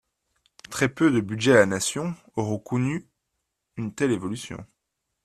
Très peu de budgets à la nation auront connu une telle évolution.